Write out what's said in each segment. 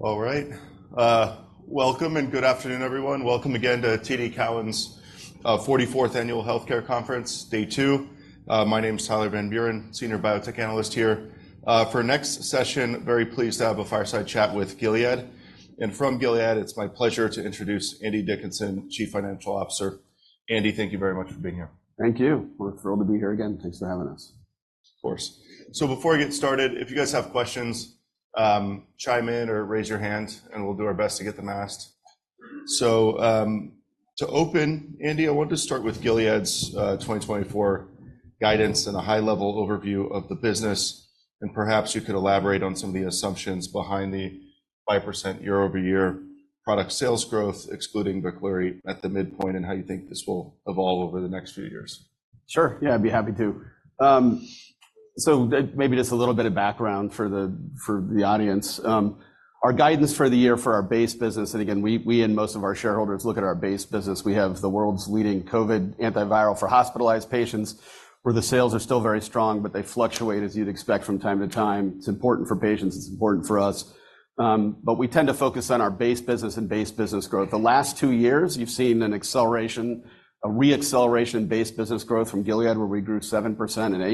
All right. Welcome and good afternoon, everyone. Welcome again to TD Cowen's forty-fourth Annual Healthcare Conference, day two. My name is Tyler Van Buren, Senior Biotech Analyst here. For our next session, very pleased to have a fireside chat with Gilead, and from Gilead, it's my pleasure to introduce Andy Dickinson, Chief Financial Officer. Andy, thank you very much for being here. Thank you. We're thrilled to be here again. Thanks for having us. Of course. Before we get started, if you guys have questions, chime in or raise your hand, and we'll do our best to get them asked. To open, Andy, I wanted to start with Gilead's 2024 guidance and a high-level overview of the business, and perhaps you could elaborate on some of the assumptions behind the 5% year-over-year product sales growth, excluding Veklury, at the midpoint, and how you think this will evolve over the next few years. Sure, yeah, I'd be happy to. So maybe just a little bit of background for the audience. Our guidance for the year for our base business, and again, we and most of our shareholders look at our base business. We have the world's leading COVID antiviral for hospitalized patients, where the sales are still very strong, but they fluctuate, as you'd expect from time to time. It's important for patients, it's important for us. But we tend to focus on our base business and base business growth. The last two years, you've seen an acceleration, a re-acceleration in base business growth from Gilead, where we grew 7% and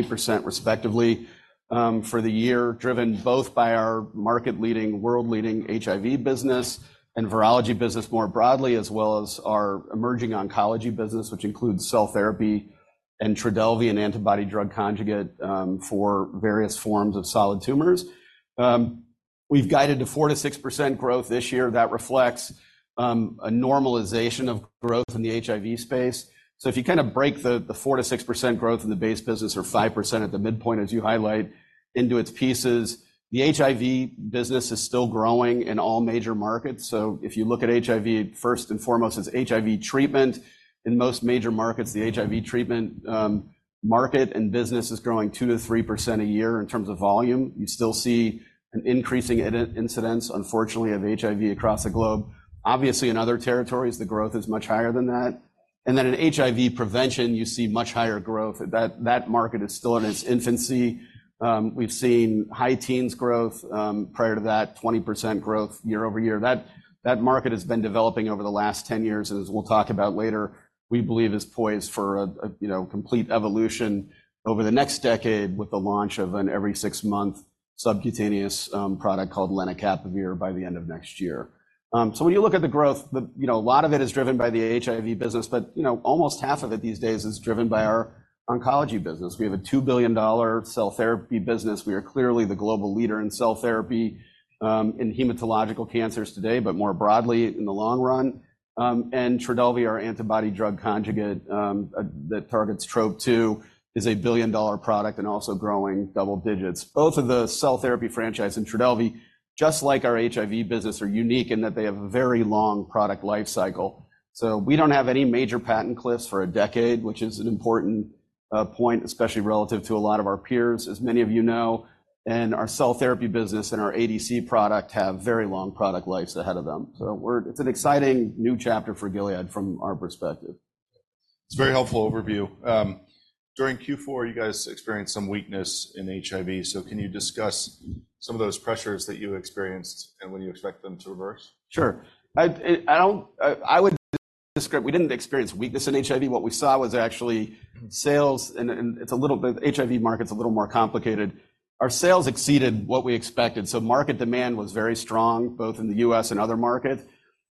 8% respectively for the year, driven both by our market-leading, world-leading HIV business and virology business more broadly, as well as our emerging oncology business, which includes cell therapy and Trodelvy, an antibody drug conjugate for various forms of solid tumors. We've guided to 4%-6% growth this year. That reflects a normalization of growth in the HIV space. So if you kinda break the four to six percent growth in the base business, or 5% at the midpoint, as you highlight, into its pieces, the HIV business is still growing in all major markets. So if you look at HIV, first and foremost, it's HIV treatment. In most major markets, the HIV treatment market and business is growing 2%-3% a year in terms of volume. You still see an increasing incidence, unfortunately, of HIV across the globe. Obviously, in other territories, the growth is much higher than that, and then in HIV prevention, you see much higher growth. That market is still in its infancy. We've seen high-teens growth prior to that, 20% growth year-over-year. That market has been developing over the last 10 years, and as we'll talk about later, we believe is poised for a, a, you know, complete evolution over the next decade with the launch of an every-six-month subcutaneous product called lenacapavir by the end of next year. So when you look at the growth, you know, a lot of it is driven by the HIV business, but, you know, almost half of it these days is driven by our oncology business. We have a $2 billion cell therapy business. We are clearly the global leader in cell therapy in hematological cancers today, but more broadly in the long run. And Trodelvy, our antibody-drug conjugate that targets Trop-2, is a billion-dollar product and also growing double digits. Both of the cell therapy franchise and Trodelvy, just like our HIV business, are unique in that they have a very long product life cycle. So we don't have any major patent cliffs for a decade, which is an important point, especially relative to a lot of our peers, as many of you know, and our cell therapy business and our ADC product have very long product lives ahead of them. So it's an exciting new chapter for Gilead from our perspective. It's a very helpful overview. During Q4, you guys experienced some weakness in HIV, so can you discuss some of those pressures that you experienced and when you expect them to reverse? Sure. I would describe... We didn't experience weakness in HIV. What we saw was actually sales and it's a little bit- HIV market's a little more complicated. Our sales exceeded what we expected, so market demand was very strong, both in the U.S. and other markets.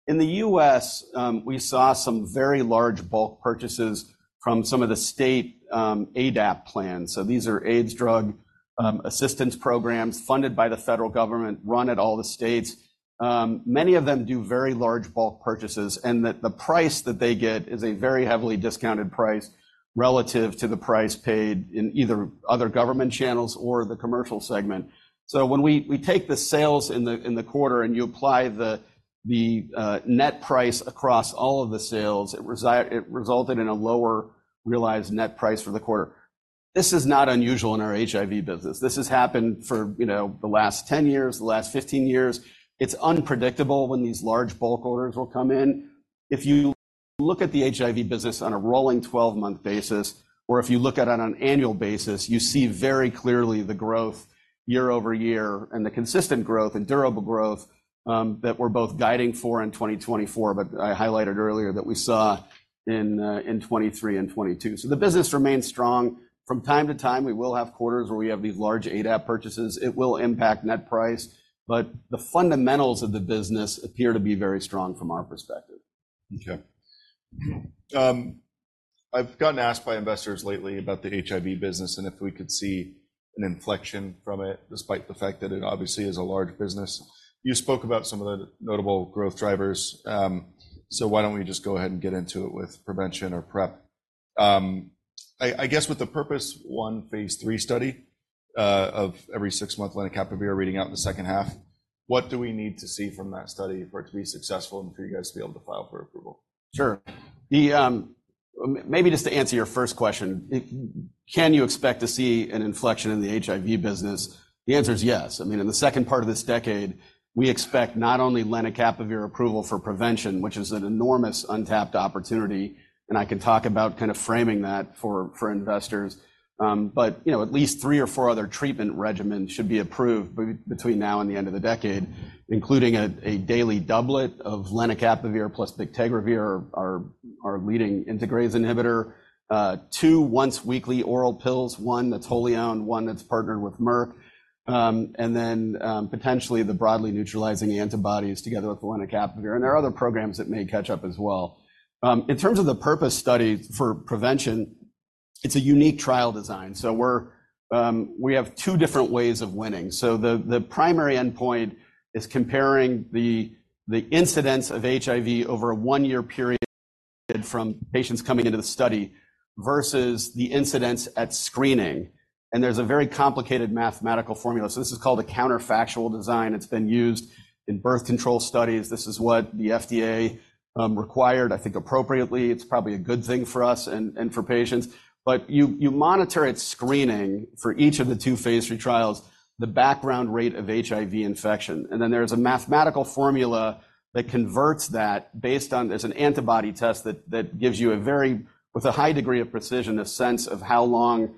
In the U.S., we saw some very large bulk purchases from some of the state ADAP plans. So these are AIDS Drug Assistance Programs funded by the federal government, run at all the states. Many of them do very large bulk purchases, and the price that they get is a very heavily discounted price relative to the price paid in either other government channels or the commercial segment. So when we take the sales in the quarter and you apply the net price across all of the sales, it resulted in a lower realized net price for the quarter. This is not unusual in our HIV business. This has happened for, you know, the last 10 years, the last 15 years. It's unpredictable when these large bulk orders will come in. If you look at the HIV business on a rolling 12-month basis, or if you look at it on an annual basis, you see very clearly the growth year over year and the consistent growth and durable growth that we're both guiding for in 2024, but I highlighted earlier that we saw in twenty twenty-three and twenty twenty-two. So the business remains strong. From time to time, we will have quarters where we have these large ADAP purchases. It will impact net price, but the fundamentals of the business appear to be very strong from our perspective. Okay. I've gotten asked by investors lately about the HIV business and if we could see an inflection from it, despite the fact that it obviously is a large business. You spoke about some of the notable growth drivers, so why don't we just go ahead and get into it with prevention or PrEP? I guess with the PURPOSE 1 phase three study of every 6-month lenacapavir reading out in the second half, what do we need to see from that study for it to be successful and for you guys to be able to file for approval? Sure. Maybe just to answer your first question, Can you expect to see an inflection in the HIV business? The answer is yes. I mean, in the second part of this decade, we expect not only lenacapavir approval for prevention, which is an enormous untapped opportunity, and I can talk about kind of framing that for investors. But, you know, at least three or four ofther treatment regimens should be approved between now and the end of the decade, including a daily doublet of lenacapavir plus bictegravir, our leading integrase inhibitor. Two once-weekly oral pills, one that's wholly owned, one that's partnered with Merck. And then, potentially the broadly neutralizing antibodies together with the lenacapavir, and there are other programs that may catch up as well. In terms of the PURPOSE study for prevention, it's a unique trial design. So we're, we have two different ways of winning. So the primary endpoint is comparing the incidence of HIV over a one-year period from patients coming into the study versus the incidence at screening, and there's a very complicated mathematical formula. So this is called a counterfactual design. It's been used in birth control studies. This is what the FDA required, I think, appropriately. It's probably a good thing for us and for patients. But you monitor its screening for each of the two phase three trials, the background rate of HIV infection, and then there's a mathematical formula that converts that based on... There's an antibody test that gives you a very with a high degree of precision, a sense of how long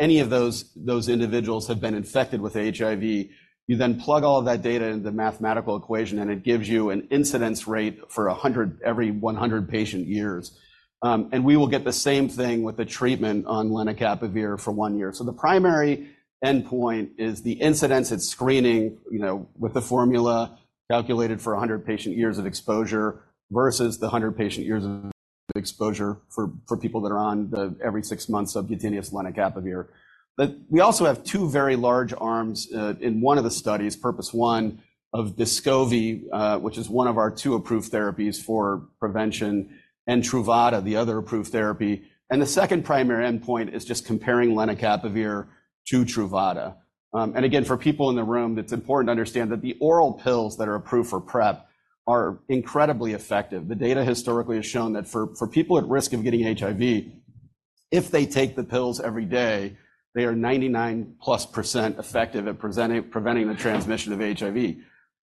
any of those individuals have been infected with HIV. You then plug all of that data into the mathematical equation, and it gives you an incidence rate for 100 every 100 patient years. And we will get the same thing with the treatment on lenacapavir for one year. So the primary endpoint is the incidence at screening, you know, with the formula calculated for 100 patient years of exposure versus the 100 patient years of exposure for people that are on the every six months subcutaneous lenacapavir. But we also have two very large arms in one of the studies, PURPOSE 1, of Descovy, which is one of our two approved therapies for prevention, and Truvada, the other approved therapy. The second primary endpoint is just comparing lenacapavir to Truvada. And again, for people in the room, it's important to understand that the oral pills that are approved for PrEP are incredibly effective. The data historically has shown that for people at risk of getting HIV, if they take the pills every day, they are 99%+ effective at preventing the transmission of HIV.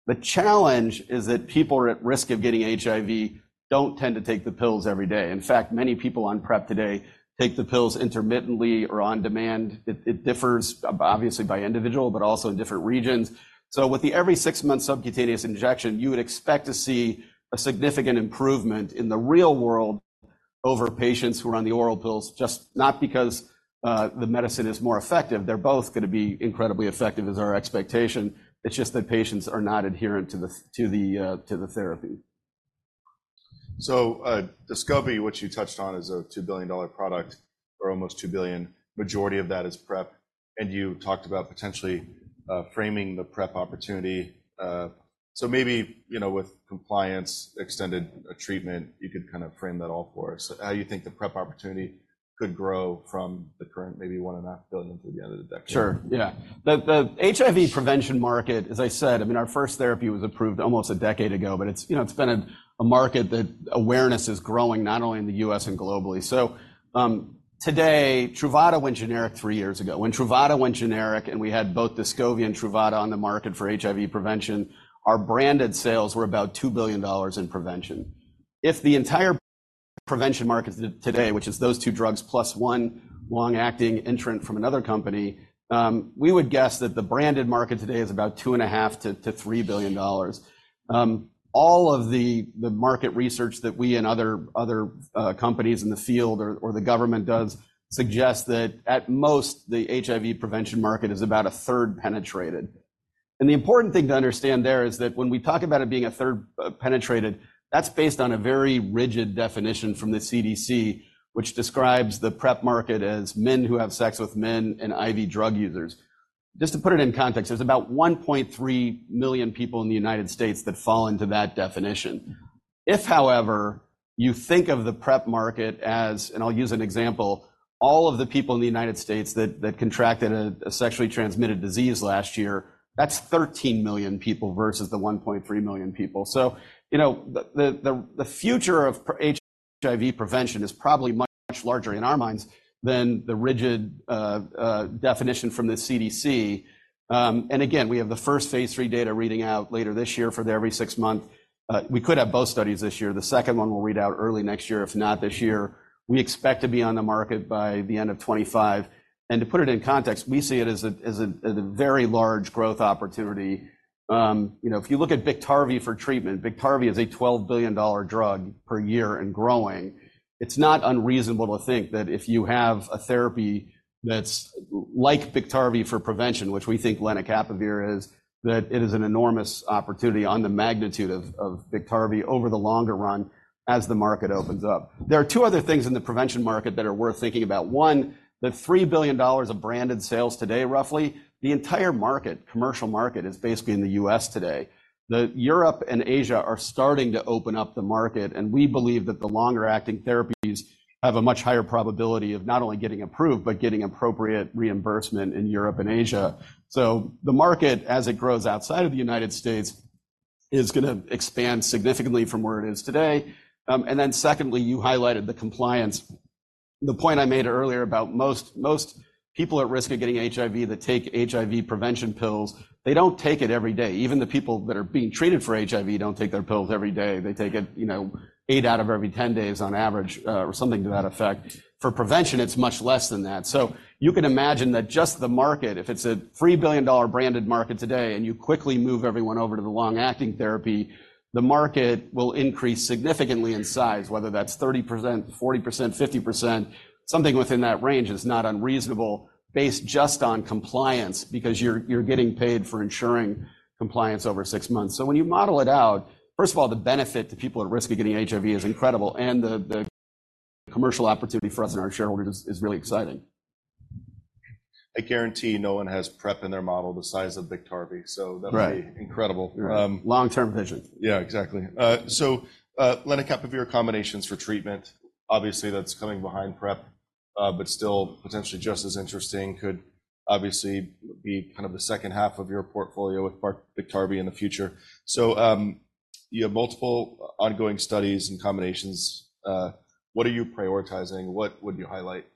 The challenge is that people at risk of getting HIV don't tend to take the pills every day. In fact, many people on PrEP today take the pills intermittently or on demand. It differs obviously by individual, but also in different regions. So with the every six-month subcutaneous injection, you would expect to see a significant improvement in the real world over patients who are on the oral pills, just not because the medicine is more effective. They're both gonna be incredibly effective, is our expectation. It's just that patients are not adherent to the therapy. So, Descovy, which you touched on, is a $2 billion product, or almost $2 billion. Majority of that is PrEP, and you talked about potentially framing the PrEP opportunity. So maybe, you know, with compliance, extended treatment, you could kind of frame that all for us. How you think the PrEP opportunity could grow from the current, maybe $1.5 billion through the end of the decade? Sure, yeah. The HIV prevention market, as I said, I mean, our first therapy was approved almost a decade ago, but it's, you know, it's been a market that awareness is growing, not only in the U.S. and globally. So, today, Truvada went generic three years ago. When Truvada went generic, and we had both Descovy and Truvada on the market for HIV prevention, our branded sales were about $2 billion in prevention. If the entire prevention market today, which is those two drugs, plus one long-acting entrant from another company, we would guess that the branded market today is about $2.5 billion-$3 billion. All of the market research that we and other companies in the field or the government does suggest that at most, the HIV prevention market is about a third penetrated. The important thing to understand there is that when we talk about it being a third penetrated, that's based on a very rigid definition from the CDC, which describes the PrEP market as men who have sex with men and IV drug users. Just to put it in context, there's about 1.3 million people in the United States that fall into that definition. If, however, you think of the PrEP market as, and I'll use an example, all of the people in the United States that contracted a sexually transmitted disease last year, that's 13 million people versus the 1.3 million people. So, you know, the future of PrEP HIV prevention is probably much larger in our minds than the rigid definition from the CDC. And again, we have the first phase 3 data reading out later this year for the every six month. We could have both studies this year. The second one will read out early next year, if not this year. We expect to be on the market by the end of 2025. And to put it in context, we see it as a very large growth opportunity. You know, if you look at Biktarvy for treatment, Biktarvy is a $12 billion drug per year and growing. It's not unreasonable to think that if you have a therapy that's like Biktarvy for prevention, which we think lenacapavir is, that it is an enormous opportunity on the magnitude of Biktarvy over the longer run as the market opens up. There are two other things in the prevention market that are worth thinking about. One, the $3 billion of branded sales today, roughly, the entire market, commercial market, is basically in the U.S. today. The Europe and Asia are starting to open up the market, and we believe that the longer-acting therapies have a much higher probability of not only getting approved, but getting appropriate reimbursement in Europe and Asia. So the market, as it grows outside of the United States, is going to expand significantly from where it is today. And then secondly, you highlighted the compliance. The point I made earlier about most people at risk of getting HIV that take HIV prevention pills, they don't take it every day. Even the people that are being treated for HIV don't take their pills every day. They take it, you know, eight out of every 10 days on average, or something to that effect. For prevention, it's much less than that. So you can imagine that just the market, if it's a $3 billion branded market today, and you quickly move everyone over to the long-acting therapy, the market will increase significantly in size, whether that's 30%, 40%, 50%, something within that range is not unreasonable based just on compliance, because you're getting paid for ensuring compliance over six months. So when you model it out, first of all, the benefit to people at risk of getting HIV is incredible, and the commercial opportunity for us and our shareholders is really exciting. I guarantee no one has PrEP in their model the size of Biktarvy, so- Right -that'll be incredible. Long-term vision. Yeah, exactly. So, lenacapavir combinations for treatment. Obviously, that's coming behind PrEP, but still potentially just as interesting, could obviously be kind of the second half of your portfolio with Biktarvy in the future. So, you have multiple ongoing studies and combinations. What are you prioritizing? What would you highlight?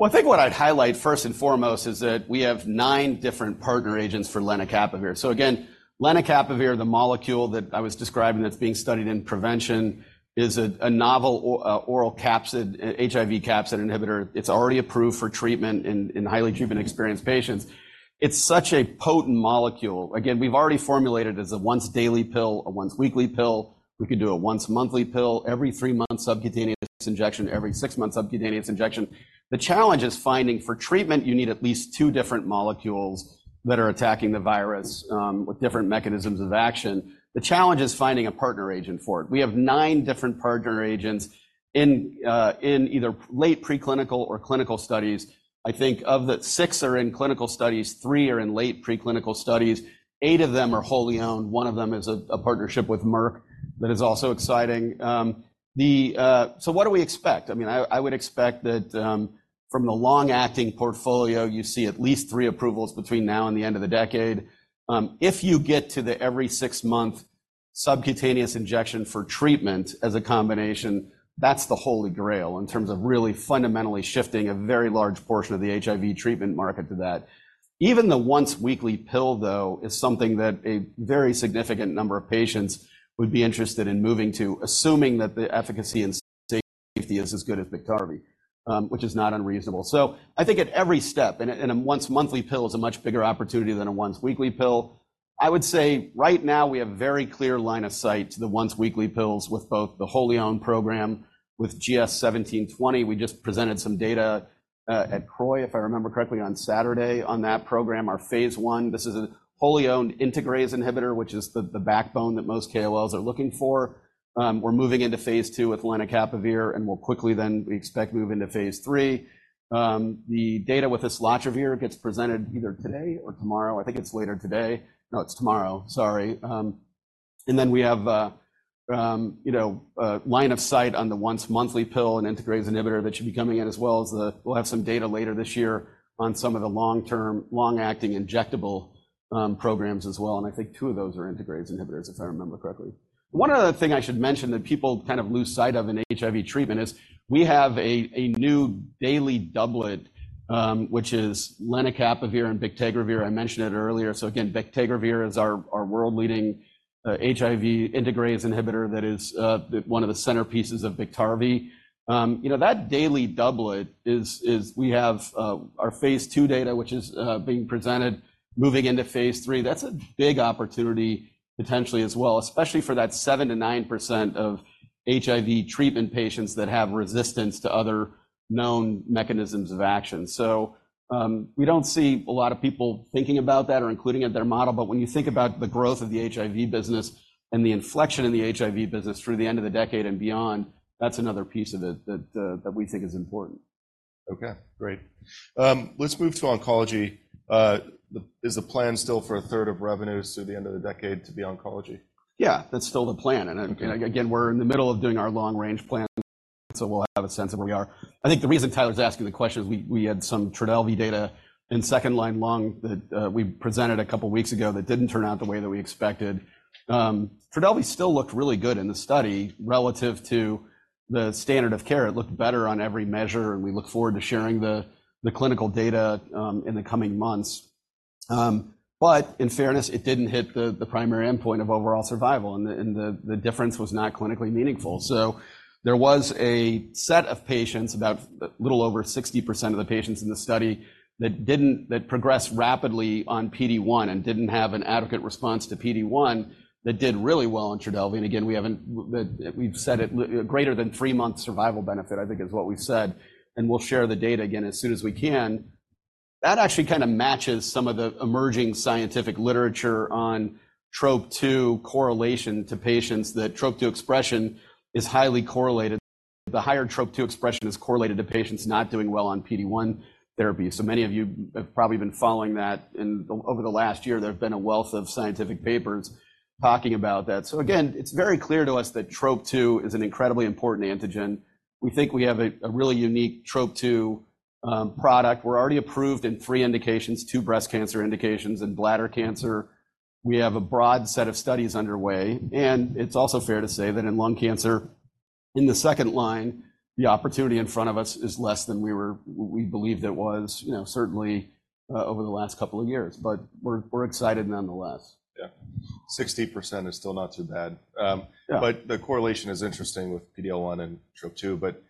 Well, I think what I'd highlight, first and foremost, is that we have nine different partner agents for lenacapavir. So again, lenacapavir, the molecule that I was describing that's being studied in prevention, is a novel oral capsid HIV capsid inhibitor. It's already approved for treatment in highly treatment-experienced patients. It's such a potent molecule. Again, we've already formulated as a once-daily pill, a once-weekly pill. We could do a once-monthly pill, every three-month subcutaneous injection, every six-month subcutaneous injection. The challenge is finding. For treatment, you need at least two different molecules that are attacking the virus with different mechanisms of action. The challenge is finding a partner agent for it. We have nine different partner agents in either late preclinical or clinical studies. I think of the six are in clinical studies, three are in late preclinical studies. 8 of them are wholly owned. One of them is a, a partnership with Merck that is also exciting. So what do we expect? I mean, I, I would expect that, from the long-acting portfolio, you see at least three approvals between now and the end of the decade. If you get to the every six-month subcutaneous injection for treatment as a combination, that's the Holy Grail in terms of really fundamentally shifting a very large portion of the HIV treatment market to that. Even the once-weekly pill, though, is something that a very significant number of patients would be interested in moving to, assuming that the efficacy and safety is as good as Biktarvy, which is not unreasonable. So I think at every step, and a, and a once-monthly pill is a much bigger opportunity than a once-weekly pill. I would say right now we have very clear line of sight to the once-weekly pills with both the wholly owned program. With GS-1720, we just presented some data at CROI, if I remember correctly, on Saturday, on that program, our phase I. This is a wholly owned integrase inhibitor, which is the, the backbone that most KOLs are looking for. We're moving into phase II with lenacapavir, and we'll quickly then, we expect, move into phase III. The data with islatravir gets presented either today or tomorrow. I think it's later today. No, it's tomorrow. Sorry. And then we have, you know, a line of sight on the once-monthly pill and integrase inhibitor that should be coming in as well as, we'll have some data later this year on some of the long-term, long-acting injectable programs as well, and I think two of those are integrase inhibitors, if I remember correctly. One other thing I should mention that people kind of lose sight of in HIV treatment is we have a new daily doublet, which is lenacapavir and bictegravir. I mentioned it earlier. So again, bictegravir is our world-leading HIV integrase inhibitor that is one of the centerpieces of Biktarvy. You know, that daily doublet is we have our phase II data, which is being presented, moving into phase III. That's a big opportunity, potentially as well, especially for that 7%-9% of HIV treatment patients that have resistance to other known mechanisms of action. So, we don't see a lot of people thinking about that or including it in their model, but when you think about the growth of the HIV business and the inflection in the HIV business through the end of the decade and beyond, that's another piece of it that we think is important. Okay, great. Let's move to oncology. Is the plan still for a third of revenues through the end of the decade to be oncology? Yeah, that's still the plan. Okay. Again, we're in the middle of doing our long-range plan, so we'll have a sense of where we are. I think the reason Tyler's asking the question is we had some Trodelvy data in second-line lung that we presented a couple of weeks ago that didn't turn out the way that we expected. Trodelvy still looked really good in the study relative to the standard of care. It looked better on every measure, and we look forward to sharing the clinical data in the coming months. But in fairness, it didn't hit the primary endpoint of overall survival, and the difference was not clinically meaningful. So there was a set of patients, about a little over 60% of the patients in the study, that didn't... That progressed rapidly on PD-1 and didn't have an adequate response to PD-1 that did really well on Trodelvy. And again, we haven't, we've said it, greater than three months survival benefit, I think, is what we said, and we'll share the data again as soon as we can. That actually kinda matches some of the emerging scientific literature on Trop-2 correlation to patients. That Trop-2 expression is highly correlated. The higher Trop-2 expression is correlated to patients not doing well on PD-1 therapy. So many of you have probably been following that, and over the last year, there have been a wealth of scientific papers talking about that. So again, it's very clear to us that Trop-2 is an incredibly important antigen. We think we have a really unique Trop-2 product. We're already approved in three indications, two breast cancer indications and bladder cancer. We have a broad set of studies underway, and it's also fair to say that in lung cancer, in the second line, the opportunity in front of us is less than we were, we believed it was, you know, certainly, over the last couple of years. But we're excited nonetheless. Yeah. 60% is still not too bad. Yeah. But the correlation is interesting with PD-L1 and Trop-2. But,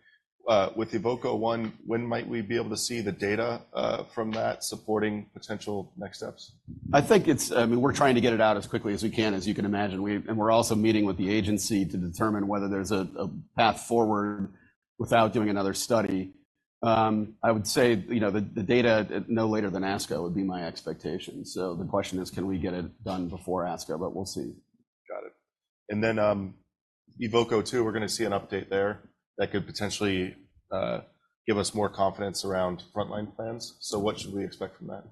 with the EVOKE-01, when might we be able to see the data from that supporting potential next steps? I think it's, I mean, we're trying to get it out as quickly as we can, as you can imagine. We're also meeting with the agency to determine whether there's a path forward without doing another study. I would say, you know, the data at no later than ASCO would be my expectation. So the question is, can we get it done before ASCO? But we'll see. Got it. And then, EVOKE-02, we're gonna see an update there that could potentially give us more confidence around frontline plans. So what should we expect from that?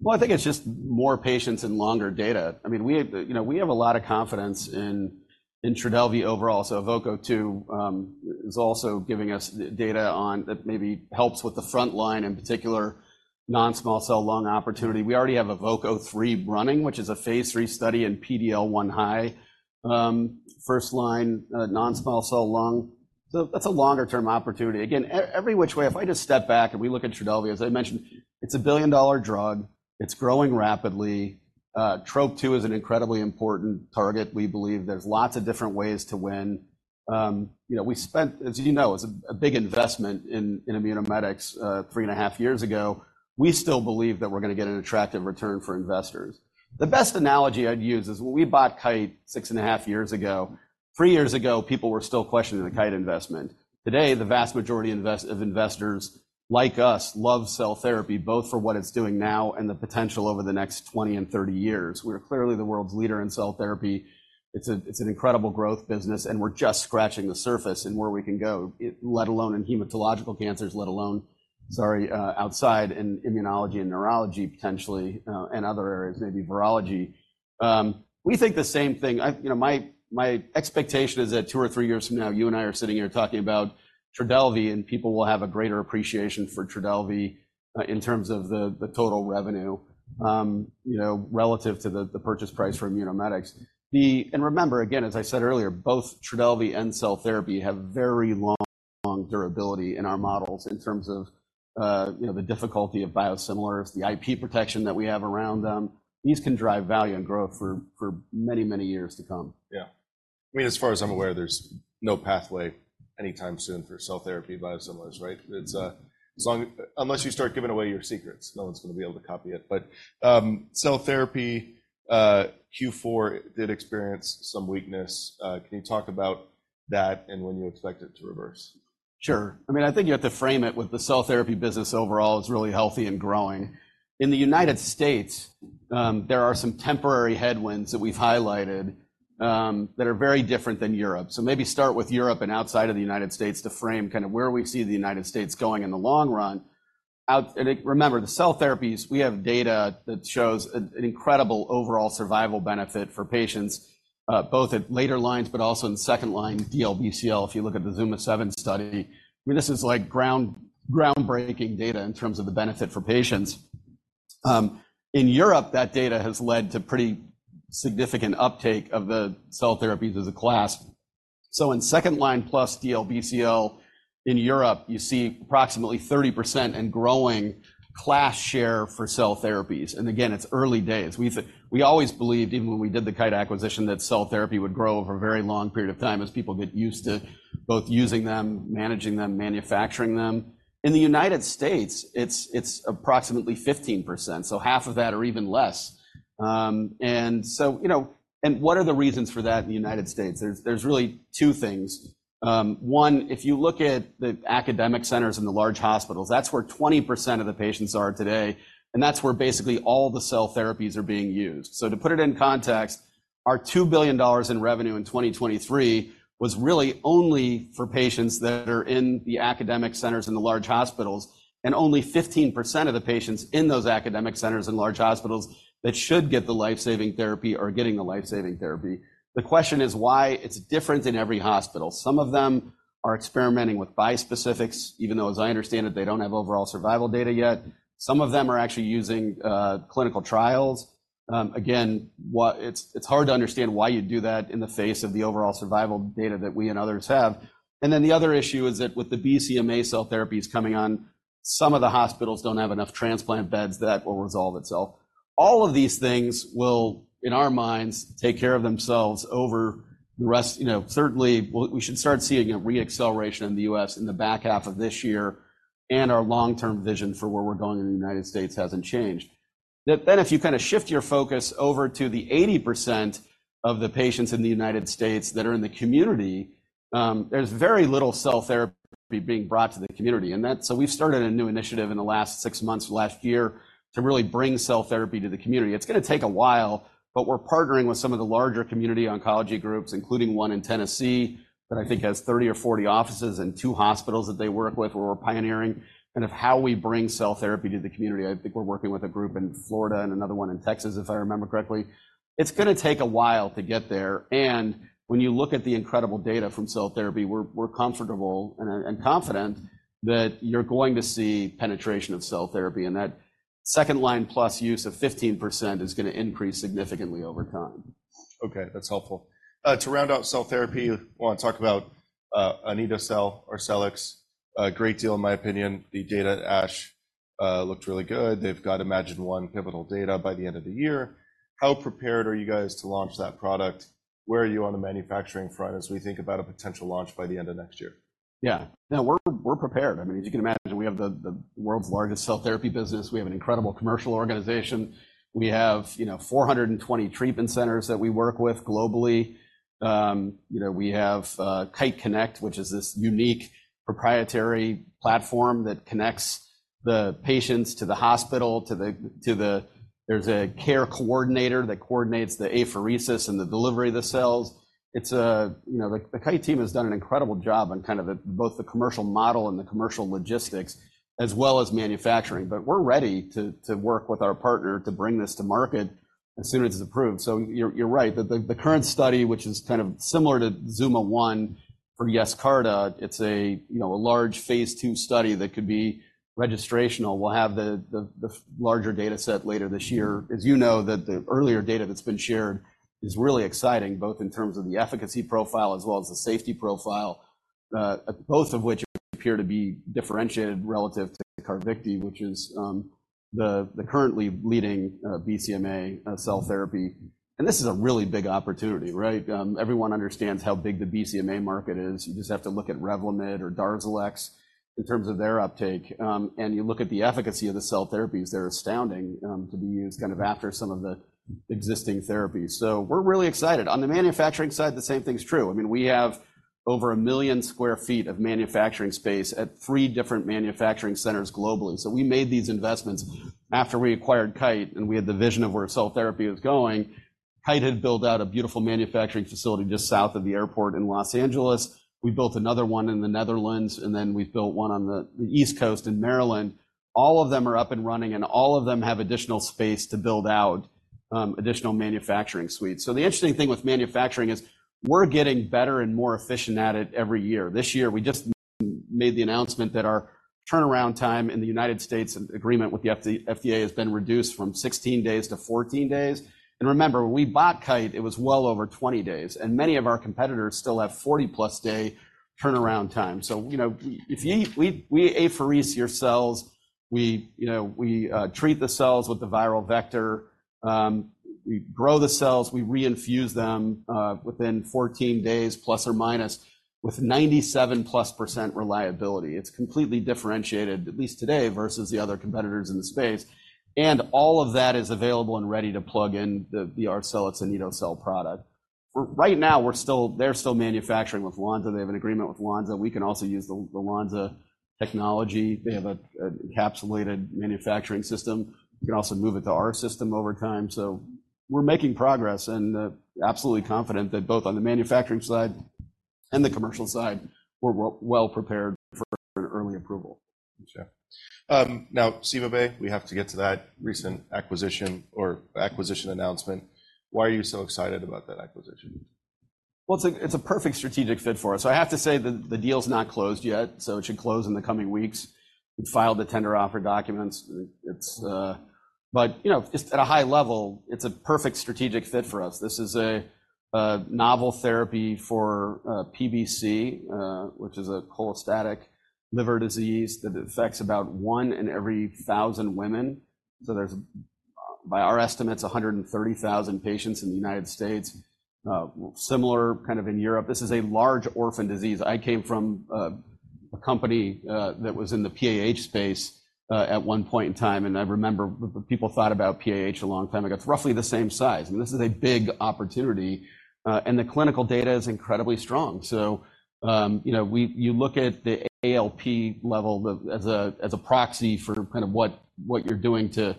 Well, I think it's just more patients and longer data. I mean, we, you know, we have a lot of confidence in, in Trodelvy overall. So EVOKE-02 is also giving us the data on, that maybe helps with the frontline, in particular, non-small cell lung opportunity. We already have EVOKE-03 running, which is a Phase III study in PD-L1 high, first-line, non-small cell lung. So that's a longer-term opportunity. Again, every which way, if I just step back and we look at Trodelvy, as I mentioned, it's a billion-dollar drug. It's growing rapidly. Trop-2 is an incredibly important target. We believe there's lots of different ways to win. You know, we spent, as you know, it's a, a big investment in, in Immunomedics, three and a half years ago. We still believe that we're gonna get an attractive return for investors. The best analogy I'd use is when we bought Kite 6.5 years ago, 3 years ago, people were still questioning the Kite investment. Today, the vast majority of investors, like us, love cell therapy, both for what it's doing now and the potential over the next 20 and 30 years. We're clearly the world's leader in cell therapy. It's an incredible growth business, and we're just scratching the surface in where we can go, let alone in hematological cancers, let alone, sorry, outside in immunology and neurology, potentially, and other areas, maybe virology. We think the same thing. I... You know, my expectation is that two or three years from now, you and I are sitting here talking about Trodelvy, and people will have a greater appreciation for Trodelvy in terms of the total revenue, you know, relative to the purchase price for Immunomedics. Remember, again, as I said earlier, both Trodelvy and cell therapy have very long durability in our models in terms of the difficulty of biosimilars, the IP protection that we have around them. These can drive value and growth for many, many years to come. Yeah. I mean, as far as I'm aware, there's no pathway anytime soon for cell therapy biosimilars, right? Mm-hmm. It's as long... Unless you start giving away your secrets, no one's gonna be able to copy it. But cell therapy, Q4 did experience some weakness. Can you talk about that and when you expect it to reverse? Sure. I mean, I think you have to frame it with the cell therapy business overall is really healthy and growing. In the United States, there are some temporary headwinds that we've highlighted, that are very different than Europe. So maybe start with Europe and outside of the United States to frame kind of where we see the United States going in the long run. Remember, the cell therapies, we have data that shows an incredible overall survival benefit for patients, both at later lines, but also in second-line DLBCL, if you look at the ZUMA-7 study. I mean, this is like groundbreaking data in terms of the benefit for patients. In Europe, that data has led to pretty significant uptake of the cell therapies as a class. So in second line plus DLBCL, in Europe, you see approximately 30% in growing class share for cell therapies. And again, it's early days. We always believed, even when we did the Kite acquisition, that cell therapy would grow over a very long period of time as people get used to both using them, managing them, manufacturing them. In the United States, it's approximately 15%, so half of that or even less. And so, you know, and what are the reasons for that in the United States? There's really two things. One, if you look at the academic centers and the large hospitals, that's where 20% of the patients are today, and that's where basically all the cell therapies are being used. So to put it in context, our $2 billion in revenue in 2023 was really only for patients that are in the academic centers and the large hospitals, and only 15% of the patients in those academic centers and large hospitals that should get the life-saving therapy are getting a life-saving therapy. The question is why it's different in every hospital. Some of them are experimenting with bispecifics, even though, as I understand it, they don't have overall survival data yet. Some of them are actually using clinical trials. It's, it's hard to understand why you'd do that in the face of the overall survival data that we and others have. And then the other issue is that with the BCMA cell therapies coming on, some of the hospitals don't have enough transplant beds. That will resolve itself. All of these things will, in our minds, take care of themselves over the rest, you know, certainly, we should start seeing a re-acceleration in the U.S. in the back half of this year, and our long-term vision for where we're going in the United States hasn't changed. Then, if you kinda shift your focus over to the 80% of the patients in the United States that are in the community, there's very little cell therapy being brought to the community. So we've started a new initiative in the last six months, last year, to really bring cell therapy to the community. It's gonna take a while, but we're partnering with some of the larger community oncology groups, including one in Tennessee, that I think has 30 or 40 offices and 2 hospitals that they work with, where we're pioneering kind of how we bring cell therapy to the community. I think we're working with a group in Florida and another one in Texas, if I remember correctly. It's gonna take a while to get there, and when you look at the incredible data from cell therapy, we're, we're comfortable and, and confident that you're going to see penetration of cell therapy, and that second-line plus use of 15% is going to increase significantly over time. Okay, that's helpful. To round out cell therapy, I want to talk about anito-cel or Arcellx. A great deal, in my opinion. The data at ASH looked really good. They've got iMMagine-1 pivotal data by the end of the year. How prepared are you guys to launch that product? Where are you on the manufacturing front as we think about a potential launch by the end of next year? Yeah. No, we're prepared. I mean, as you can imagine, we have the world's largest cell therapy business. We have an incredible commercial organization. We have, you know, 420 treatment centers that we work with globally. You know, we have Kite Connect, which is this unique proprietary platform that connects the patients to the hospital, to the... There's a care coordinator that coordinates the apheresis and the delivery of the cells. You know, the Kite team has done an incredible job on kind of the both the commercial model and the commercial logistics, as well as manufacturing. But we're ready to work with our partner to bring this to market as soon as it's approved. So you're right. The current study, which is kind of similar to ZUMA-1 for Yescarta, it's, you know, a large phase 2 study that could be registrational. We'll have the larger dataset later this year. As you know, the earlier data that's been shared is really exciting, both in terms of the efficacy profile as well as the safety profile, both of which appear to be differentiated relative to Carvykti, which is the currently leading BCMA cell therapy. And this is a really big opportunity, right? Everyone understands how big the BCMA market is. You just have to look at Revlimid or Darzalex in terms of their uptake. And you look at the efficacy of the cell therapies, they're astounding, to be used kind of after some of the existing therapies. So we're really excited. On the manufacturing side, the same thing is true. I mean, we have over 1 million sq ft of manufacturing space at 3 different manufacturing centers globally. So we made these investments after we acquired Kite, and we had the vision of where cell therapy was going. Kite had built out a beautiful manufacturing facility just south of the airport in Los Angeles. We built another one in the Netherlands, and then we built one on the East Coast in Maryland. All of them are up and running, and all of them have additional space to build out additional manufacturing suites. So the interesting thing with manufacturing is we're getting better and more efficient at it every year. This year, we just made the announcement that our turnaround time in the United States, in agreement with the FDA, has been reduced from 16 days to 14 days. And remember, when we bought Kite, it was well over 20 days, and many of our competitors still have 40+ day turnaround time. So, you know, if we apheresis your cells, you know, we treat the cells with the viral vector, we grow the cells, we reinfuse them within 14 days, ±, with 97+% reliability. It's completely differentiated, at least today, versus the other competitors in the space, and all of that is available and ready to plug in Arcellx and anito cel product. For right now, we're still- they're still manufacturing with Lonza. They have an agreement with Lonza. We can also use the Lonza technology. They have an encapsulated manufacturing system. We can also move it to our system over time. We're making progress and absolutely confident that both on the manufacturing side and the commercial side, we're well, well prepared for early approval. Sure. Now, CymaBay, we have to get to that recent acquisition or acquisition announcement. Why are you so excited about that acquisition? Well, it's a perfect strategic fit for us. So I have to say that the deal's not closed yet, so it should close in the coming weeks. We've filed the tender offer documents. But, you know, just at a high level, it's a perfect strategic fit for us. This is a novel therapy for PBC, which is a cholestatic liver disease that affects about 1 in every 1,000 women. So there's, by our estimates, 130,000 patients in the United States, similar kind in Europe. This is a large orphan disease. I came from a company that was in the PAH space at one point in time, and I remember people thought about PAH a long time ago. It's roughly the same size, and this is a big opportunity, and the clinical data is incredibly strong. So, you know, you look at the ALP level of, as a, as a proxy for kind of what, what you're doing to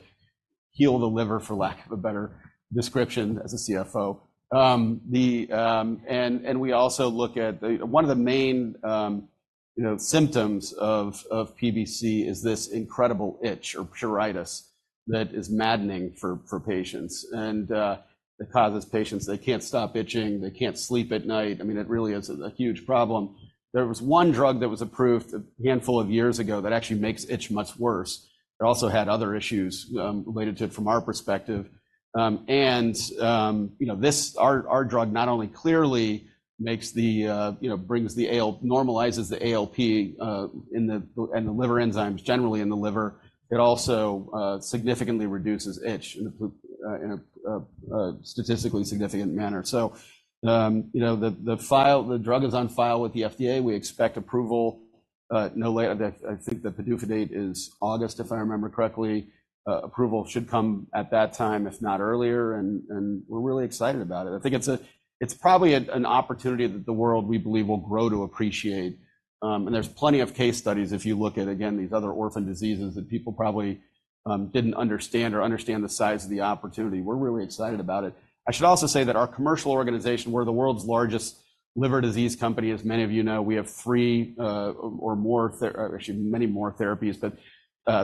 heal the liver, for lack of a better description as a CFO. The, and, and we also look at... One of the main, you know, symptoms of, of PBC is this incredible itch or pruritus that is maddening for, for patients. And, it causes patients, they can't stop itching, they can't sleep at night. I mean, it really is a huge problem. There was one drug that was approved a handful of years ago that actually makes itch much worse. It also had other issues, related to it from our perspective. You know, this our drug not only clearly normalizes the ALP in the liver and the liver enzymes generally in the liver. It also significantly reduces itch in a statistically significant manner. So, you know, the drug is on file with the FDA. We expect approval no later... I think the PDUFA date is August, if I remember correctly. Approval should come at that time, if not earlier, and we're really excited about it. I think it's probably an opportunity that the world, we believe, will grow to appreciate. And there's plenty of case studies, if you look at again these other orphan diseases that people probably didn't understand or understand the size of the opportunity. We're really excited about it. I should also say that our commercial organization, we're the world's largest liver disease company. As many of you know, we have three, or actually many more therapies, but,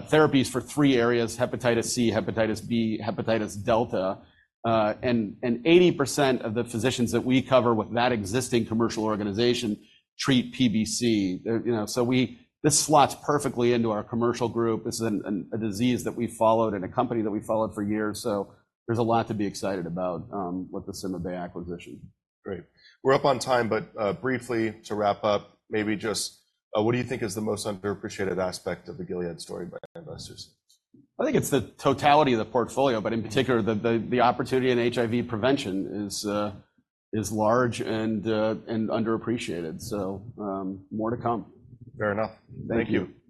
therapies for three areas: hepatitis C, hepatitis B, hepatitis delta. And 80% of the physicians that we cover with that existing commercial organization treat PBC. You know, so this slots perfectly into our commercial group. This is a disease that we followed and a company that we followed for years, so there's a lot to be excited about with the CymaBay acquisition. Great. We're up on time, but, briefly to wrap up, maybe just, what do you think is the most underappreciated aspect of the Gilead story by investors? I think it's the totality of the portfolio, but in particular, the opportunity in HIV prevention is large and underappreciated. So, more to come. Fair enough. Thank you.